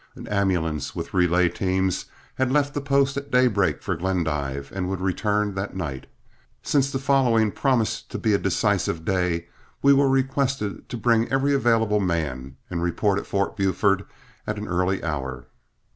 An ambulance, with relay teams, had left the post at daybreak for Glendive, and would return that night. Since the following promised to be a decisive day, we were requested to bring every available man and report at Fort Buford at an early hour.